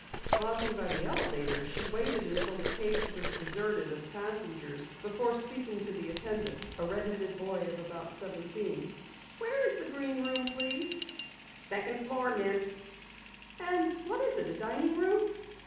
Pausing by the elevator, she waited until the cage was deserted of passengers before speaking to the attendant, a red headed boy of about seventeen. "Where is the Green Room, please?" "Second floor, Miss." "And what is it? A dining room?"